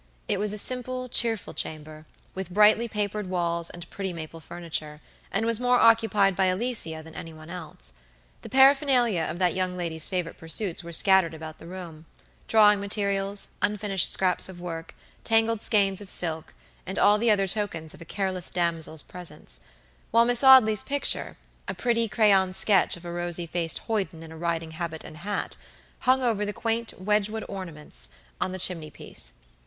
It was a simple, cheerful chamber, with brightly papered walls and pretty maple furniture, and was more occupied by Alicia than any one else. The paraphernalia of that young lady's favorite pursuits were scattered about the roomdrawing materials, unfinished scraps of work, tangled skeins of silk, and all the other tokens of a careless damsel's presence; while Miss Audley's picturea pretty crayon sketch of a rosy faced hoyden in a riding habit and hathung over the quaint Wedgewood ornaments on the chimneypiece.